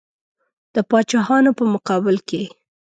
د پاچاهانو په مقابل کې.